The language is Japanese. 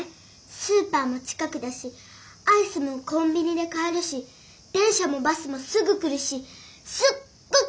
スーパーも近くだしアイスもコンビニで買えるし電車もバスもすぐ来るしすっごくべんりなんだよ。